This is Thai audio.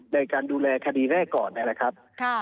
ในการดูแลคดีแรกก่อนนะครับ